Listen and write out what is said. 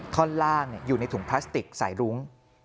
ท่อนล่างอยู่ในถุงพลาสติกสายรุ้ง